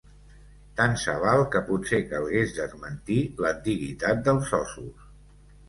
Tant se val que potser calgués desmentir l'antiguitat dels ossos.